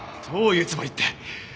どういうつもりって。